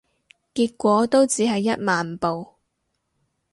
結果都只係一萬步